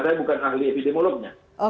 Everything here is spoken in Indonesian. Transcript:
saya bukan ahli epidemiolognya